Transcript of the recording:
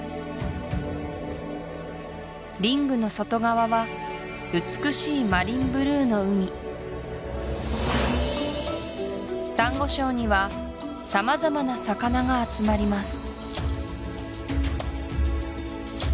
リングの外側は美しいマリンブルーの海サンゴ礁には様々な魚が集まります